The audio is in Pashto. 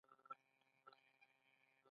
د زرین کتاب په چمتو کولو سره پوخوالي ته ورسېد.